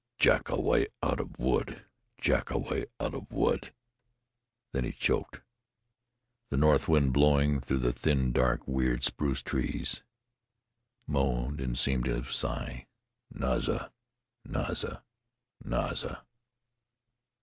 "Jackoway out of wood! Jackoway out of wood!" Then he choked. The north wind, blowing through the thin, dark, weird spruce trees, moaned and seemed to sigh, "Naza! Naza! Naza!"